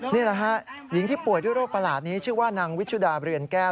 นี่แหละฮะหญิงที่ป่วยด้วยโรคประหลาดนี้ชื่อว่านางวิชุดาเรือนแก้ว